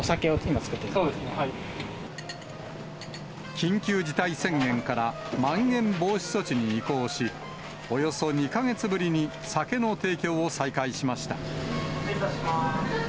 緊急事態宣言からまん延防止措置に移行し、およそ２か月ぶりに酒の提供を再開しました。